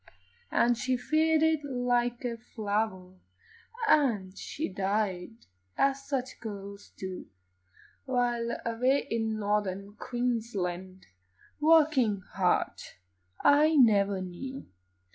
And she faded like a flower, And she died, as such girls do, While, away in Northern Queensland, Working hard, I never knew.